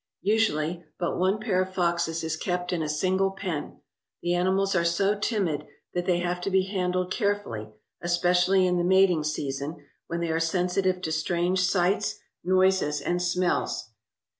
Usually but one pair of foxes is kept in a single pen. The animals are so timid that they have to be handled carefully, especially in the mating season, when they are sensitive to strange sights, noises, and smells.